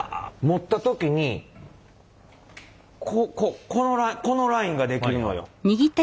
持った時にこのラインが出来るのよ。